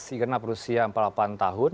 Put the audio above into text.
dikenal perusiaan empat puluh delapan tahun